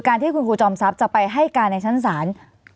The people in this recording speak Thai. ที่คุณครูจอมทรัพย์จะไปให้การในชั้นศาล